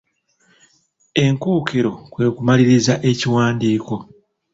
Enkookero kwe kumaliriza ekiwandiiko.